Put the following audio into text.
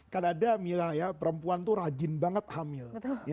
karena ada perempuan itu rajin banget hamil